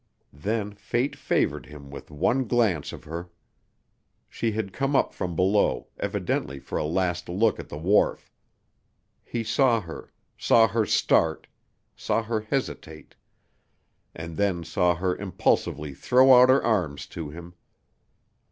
Then Fate favored him with one glance of her. She had come up from below, evidently for a last look at the wharf. He saw her saw her start saw her hesitate, and then saw her impulsively throw out her arms to him.